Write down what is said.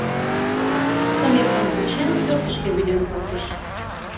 Кидшым эплын кучен, пӧртышкӧ вӱден пуртыш.